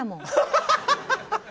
ハハハハハ。